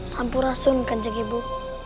sampurasun kanjeng ibu